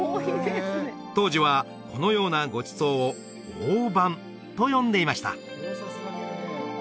当時はこのようなごちそうを椀飯と呼んでいました